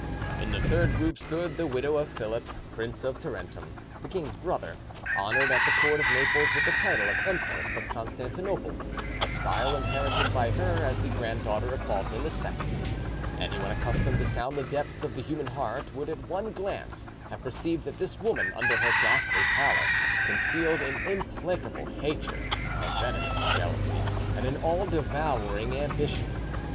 In the third group stood the widow of Philip, Prince of Tarentum, the king's brother, honoured at the court of Naples with the title of Empress of Constantinople, a style inherited by her as the granddaughter of Baldwin II. Anyone accustomed to sound the depths of the human heart would at one glance have perceived that this woman under her ghastly pallor concealed an implacable hatred, a venomous jealousy, and an all devouring ambition.